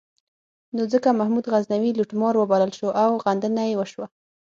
نو ځکه محمود غزنوي لوټمار وبلل شو او غندنه یې وشوه.